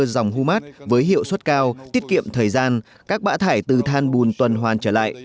dòng humat với hiệu suất cao tiết kiệm thời gian các bãi thải từ than bùn tuần hoàn trở lại